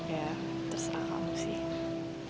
ya terserah kamu sih